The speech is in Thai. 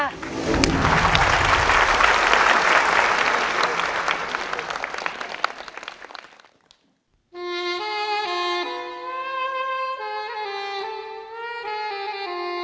แผ่นมาจากแรงโทษ